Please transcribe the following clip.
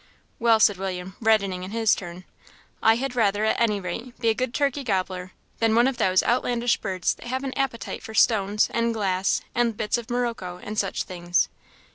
"Well," said William, reddening in his turn, "I had rather, at any rate, be a good turkey gobbler, than one of those outlandish birds that have an appetite for stones, and glass, and bits of morocco, and such things.